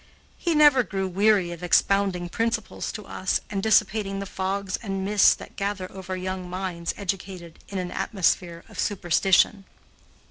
He never grew weary of expounding principles to us and dissipating the fogs and mists that gather over young minds educated in an atmosphere of superstition.